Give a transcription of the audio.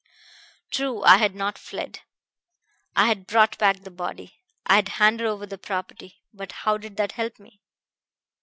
"True, I had not fled; I had brought back the body; I had handed over the property. But how did that help me?